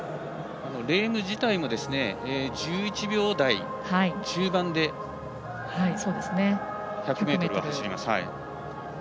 レーム自体も１１秒台中盤で１００ｍを走ります。